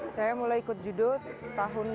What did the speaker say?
saya mulai ikut judo tahun dua ribu empat